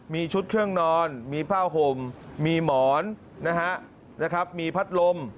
มีชุดเครื่องนอนมีผ้าห่มมีหมอนมีพัดลม